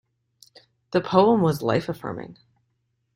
The poem was life-affirming.